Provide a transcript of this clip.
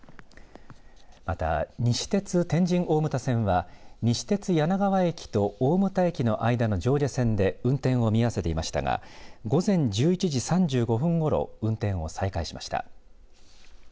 また、西鉄天神大牟田線は西鉄柳川駅と大牟田駅の間の上下線で運転を見合わせていましたが午前１１時３５分ごろ運転を再開しました。